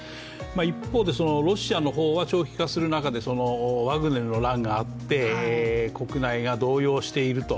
一方でロシアの方は長期化する中でワグネルの乱があって国内が動揺していると。